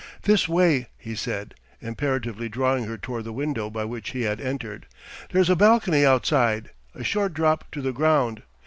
"This way," he said, imperatively drawing her toward the window by which he had entered: "there's a balcony outside a short drop to the ground."